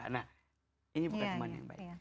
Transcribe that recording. nah ini bukan cuma yang baik